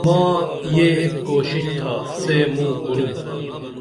ماں یہ ایک کوشش تھا سے موں کُرُم